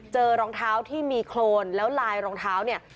รองเท้าที่มีโครนแล้วลายรองเท้าเนี่ย